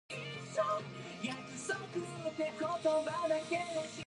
He was also only permitted to sign autographs as The Masked Man.